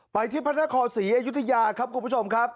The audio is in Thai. ไปที่พระนครศรีอยุธยาครับคุณผู้ชมครับ